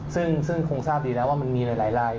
ซึ่งคงทราบดีแล้วว่ามันมีหลายลาย